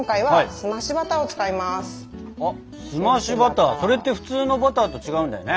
澄ましバターそれって普通のバターと違うんだよね。